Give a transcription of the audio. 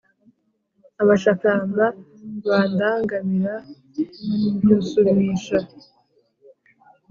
Abashakamba bandangamira nywusumisha